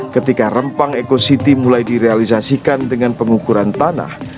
ketika rempang eco city mulai direalisasikan dengan pengukuran tanah